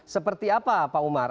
seperti apa pak umar